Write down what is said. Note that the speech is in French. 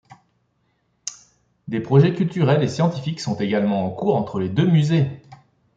Des projets culturels et scientifiques sont également en cours entre les deux musées.